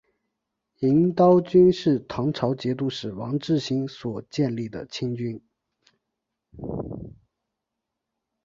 银刀军是唐朝节度使王智兴所建立的亲军。